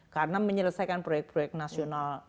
karena menyelesaikan proyek proyek nasional